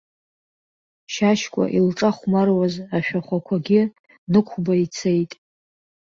Шьашькәа илҿахәмаруаз ашәахәақәагьы нықәба ицеит.